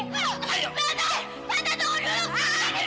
tante tante tunggu dulu